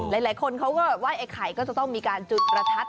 หลายคนเขาก็ไหว้ไอ้ไข่ก็จะต้องมีการจุดประทัด